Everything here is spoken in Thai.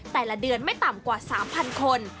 แต่ละเดือนไม่ต่ำกว่า๓๐๐คน